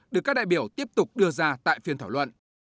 được các đại biểu tiếp tục đưa ra tại phiên thảo luận